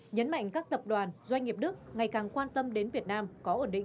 nhấn mạnh các tập đoàn doanh nghiệp đức ngày càng quan tâm đến việt nam có ổn định